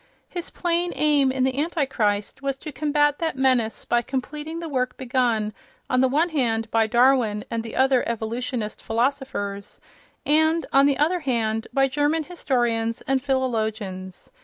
His plain aim in "The Antichrist" was to combat that menace by completing the work begun, on the one hand, by Darwin and the other evolutionist philosophers, and, on the other hand, by German historians and philologians.